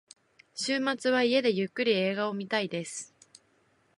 週末は家でゆっくり映画を見たいです。